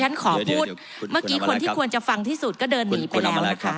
ฉันขอพูดเมื่อกี้คนที่ควรจะฟังที่สุดก็เดินหนีไปแล้วนะคะ